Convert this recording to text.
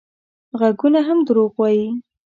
غږونه هم دروغ وايي